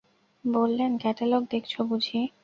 বললেন, ক্যাটালগ দেখছ বুঝি?